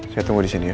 saya tunggu disini ya